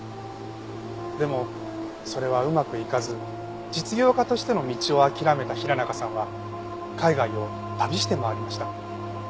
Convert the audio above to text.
でもそれはうまくいかず実業家としての道を諦めた平中さんは海外を旅して回りました。